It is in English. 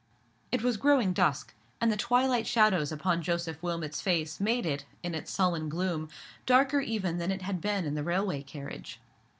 It was growing dusk, and the twilight shadows upon Joseph Wilmot's face made it, in its sullen gloom, darker even than it had been in the railway carriage.